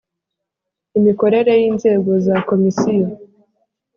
imikorere y inzego za komisiyo